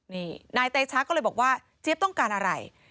นี่นายเตชะก็เลยบอกว่าเจี๊ยบต้องการอะไร